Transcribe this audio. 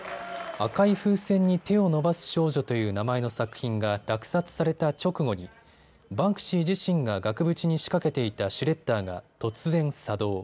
赤い風船に手を伸ばす少女という名前の作品が落札された直後にバンクシー自身が額縁に仕掛けていたシュレッダーが突然、作動。